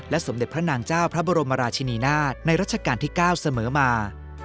สมเด็จพระนางเจ้าพระบรมราชินีนาฏในรัชกาลที่๙เสมอมา